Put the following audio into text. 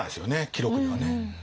記録にはね。